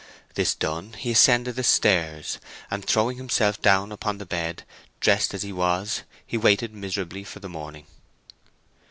This done he ascended the stairs, and throwing himself down upon the bed dressed as he was, he waited miserably for the morning.